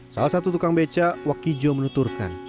salah satu tukang beca wakijo menuturkan